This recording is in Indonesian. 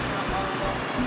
ya kan bang ojak